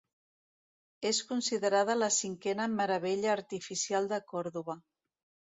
És considerada la cinquena Meravella Artificial de Còrdova.